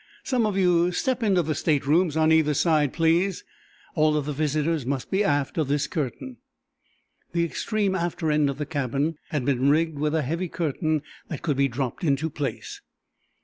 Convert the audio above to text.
"Some of you step into the staterooms, on either side, please. All of the visitors must be aft of this curtain." The extreme after end of the cabin had been rigged with a heavy curtain that could be dropped into place.